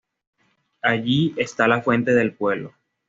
Allí está la fuente del pueblo.